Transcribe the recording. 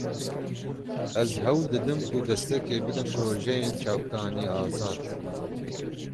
Ez hewl didim ku destekê bidim projeyên çavkanî-azad.